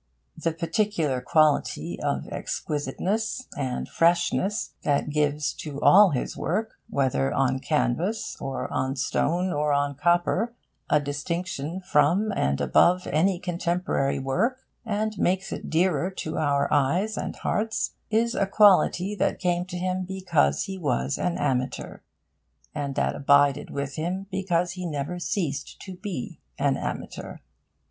The particular quality of exquisiteness and freshness that gives to all his work, whether on canvas or on stone or on copper, a distinction from and above any contemporary work, and makes it dearer to our eyes and hearts, is a quality that came to him because he was an amateur, and that abided with him because he never ceased to be an amateur.